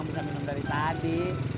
bisa minum dari tadi